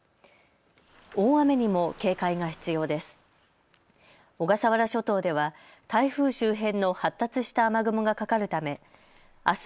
大雨にも警戒が必要です。